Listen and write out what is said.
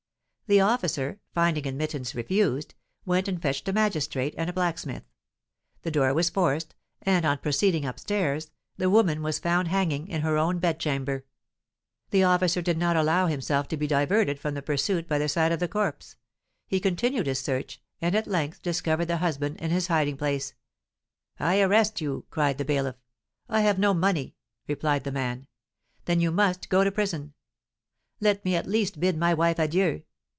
The officer, finding admittance refused, went and fetched a magistrate and a blacksmith; the door was forced, and, on proceeding up stairs, the woman was found hanging in her own bedchamber. The officer did not allow himself to be diverted from the pursuit by the sight of the corpse; he continued his search, and at length discovered the husband in his hiding place. "I arrest you!" cried the bailiff. "I have no money!" replied the man. "Then you must go to prison." "Let me at least bid my wife adieu!"